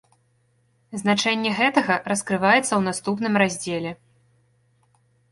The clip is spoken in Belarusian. Значэнне гэтага раскрываецца ў наступным раздзеле.